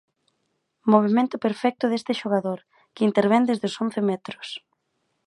Movemento perfecto deste xogador, que intervén desde os once metros.